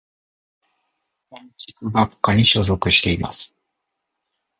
建築学科に所属しています。